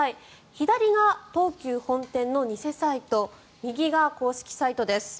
左が東急本店の偽サイト右が公式サイトです。